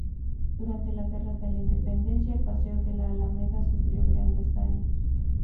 Durante la Guerra de la Independencia, el paseo de la Alameda sufrió grandes daños.